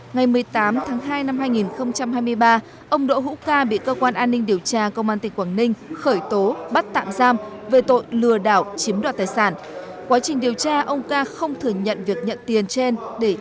ngày một mươi tám tháng hai năm hai nghìn hai mươi ba ông đỗ hữu ca bị cơ quan an ninh điều tra công an tỉnh quảng ninh khởi tố bắt tạm giam về tội lừa đảo chiếm đoạt tài sản